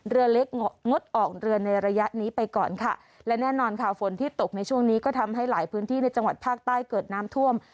เรือเล็กงดออกเรือในระยะนี้ไปก่อนค่ะและแน่นอนค่ะฝนที่ตกในช่วงนี้ก็ทำให้หลายพื้นที่ในจังหวัดภาคใต้เกิดน้ำท่วม